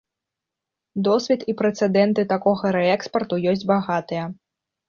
Досвед і прэцэдэнты такога рээкспарту ёсць багатыя.